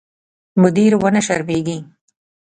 مدیر ونه شرمېږي.